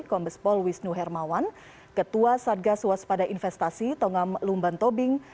kombespol wisnu hermawan ketua satgas waspada investasi tongam lumban tobing